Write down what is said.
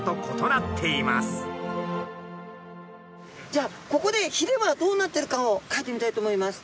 じゃあここでひれはどうなってるかをかいてみたいと思います。